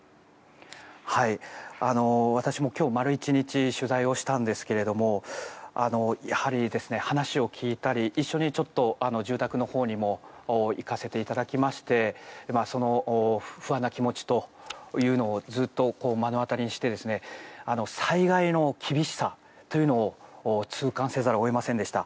私も今日、丸１日取材をしたんですけどもやはり話を聞いたり一緒に住宅のほうにも行かせていただきましてその不安な気持ちというのをずっと目の当たりにして災害の厳しさというのを痛感せざるを得ませんでした。